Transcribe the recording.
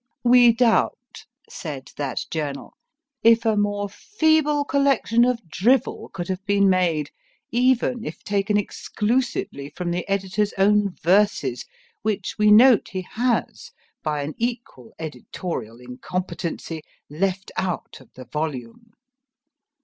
: We doubt, said that journal, if a more feeble collection of drivel could have been made, even if taken exclusively from the editor s own verses, which we note he has, by an equal editorial incompetency, left out of the volume.